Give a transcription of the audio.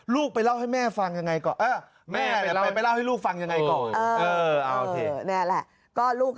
ลูกไปเล่าให้แม่ฟังอย่างไรก่อน